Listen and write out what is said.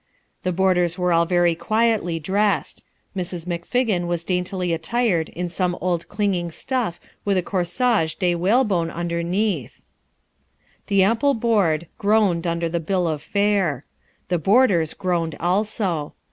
The boarders were all very quietly dressed: Mrs. McFiggin was daintily attired in some old clinging stuff with a corsage de Whalebone underneath. The ample board groaned under the bill of fare. The boarders groaned also.